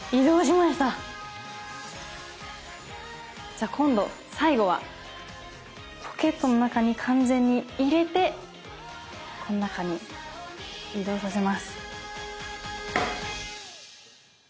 じゃあ今度最後はポケットの中に完全に入れてこの中に移動させます。